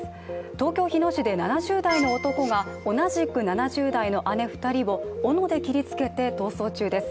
東京・日野市で７０代の男が同じく７０代の姉２人をおので切りつけて逃走中です。